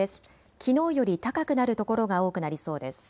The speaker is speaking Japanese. きのうより高くなる所が多くなりそうです。